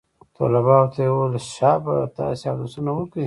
طلباو ته يې وويل شابه تاسې اودسونه وكئ.